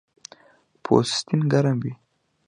پوستین ګرم وي